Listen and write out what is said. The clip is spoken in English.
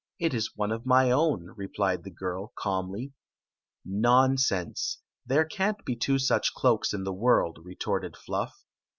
It is one of my own," re plied the girl, calmly. " Nonsense ! There can't be two such cloaks in the world," retorted Fluff.